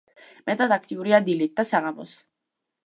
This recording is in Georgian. მეტად აქტიურია დილით და საღამოს.